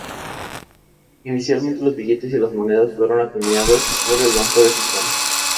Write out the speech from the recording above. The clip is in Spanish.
Inicialmente los billetes y las monedas fueron acuñadas por el Banco de Japón.